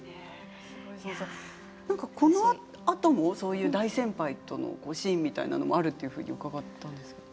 このあともそういう大先輩とのシーンみたいなものがあると伺ったんですけど。